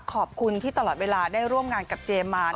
ขอบคุณที่ตลอดเวลาได้ร่วมงานกับเจมมา